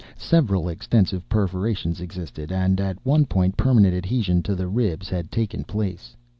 Several extensive perforations existed; and, at one point, permanent adhesion to the ribs had taken place.